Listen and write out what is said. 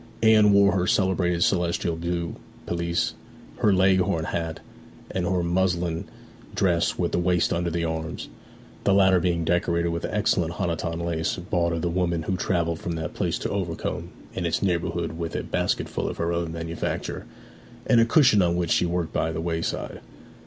Anne wore her celebrated celestial blue pelisse, her Leghorn hat, and her muslin dress with the waist under the arms; the latter being decorated with excellent Honiton lace bought of the woman who travelled from that place to Overcombe and its neighbourhood with a basketful of her own manufacture, and a cushion on which she worked by the wayside.